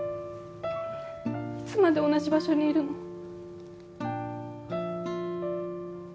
いつまで同じ場所にいるの？